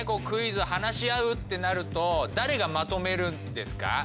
クイズ話し合うってなると誰がまとめるんですか？